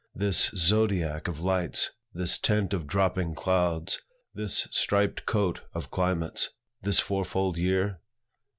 this zodiac of lights, this tent of dropping clouds, this striped coat of climates, this fourfold year?